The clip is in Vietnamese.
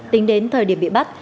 tính đến thời điểm bị bắt